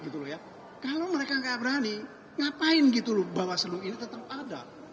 kalau mereka tidak berani ngapain bawaslu ini tetap ada